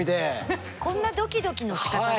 こんなドキドキのしかた。